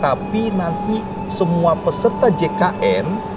tapi nanti semua peserta jkn